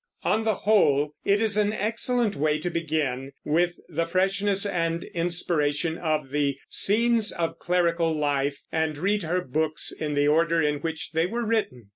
On the whole, it is an excellent way to begin with the freshness and inspiration of the Scenes of Clerical Life and read her books in the order in which they were written.